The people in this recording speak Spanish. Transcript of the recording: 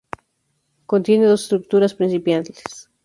Contiene dos estructuras principales.